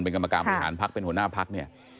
เป็นกรรมกรรมอาหารภักดิ์เป็นหัวหน้าภักดิ์